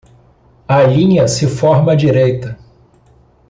A linha se forma à direita.